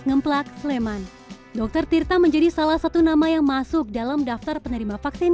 ngeplak sleman dokter tirta menjadi salah satu nama yang masuk dalam daftar penerima vaksin